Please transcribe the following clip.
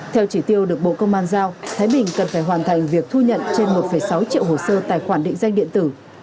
theo chỉ tiêu được bộ công an giao thái bình cần phải hoàn thành việc thu nhận trên một sáu triệu hồ sơ tài khoản định danh điện tử